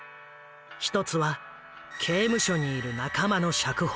１つは刑務所にいる仲間の釈放。